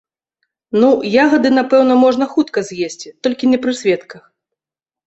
Ну, ягады, напэўна, можна хутка з'есці, толькі не пры сведках.